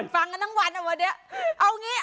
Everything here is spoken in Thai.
ฟังตั้งวันว่าวะเดี๋ยว